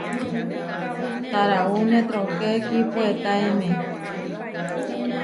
Taraúne trooké kipuetáeme.